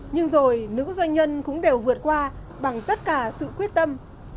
nhưng rồi nữ doanh nhân cũng đều vượt qua bằng tất cả sự quyết tâm